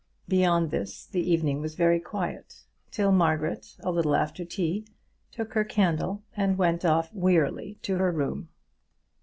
Beyond this, the evening was very quiet, till Margaret, a little after tea, took her candle and went off wearily to her room.